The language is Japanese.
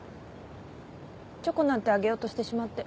チョコなんてあげようとしてしまって。